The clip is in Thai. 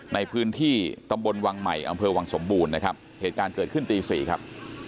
ในพื้นที่ตำบลวังใหม่อำเภอวังสมบูรณ์นะครับเหตุการณ์เกิดขึ้นตีสี่ครับ